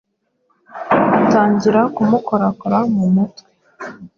atangira kumukorakora mu mutwe